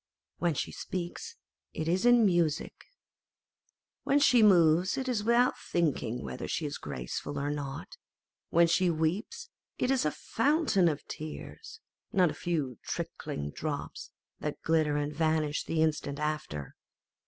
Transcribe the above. When she speaks, it is in music. When she 458 Madame Pasta and Mademoiselle Mars. moves, it is without thinking whether she is graceful or not. When she weeps, it is a fountain of tears, not a few trickling drops that glitter and vanish the instant after.